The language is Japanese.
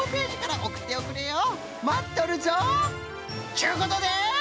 ちゅうことで。